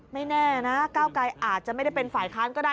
แน่นะก้าวไกรอาจจะไม่ได้เป็นฝ่ายค้านก็ได้